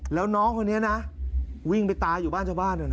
แล้วน้องคนนี้นะวิ่งไปตายอยู่บ้านเจ้าบ้านอยู่นะ